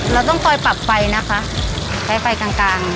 เราต้องปล่อยปรับไฟนะคะใช้ไฟกลาง